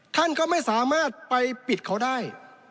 ท่านก็ไม่สามารถไปปิดเขาได้